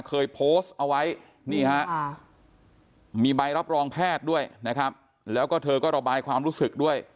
เคยโพสต์เอาไว้นี่ฮะมีใบรับรองแพทย์ด้วยนะครับแล้วก็เธอก็ระบายความรู้สึกด้วย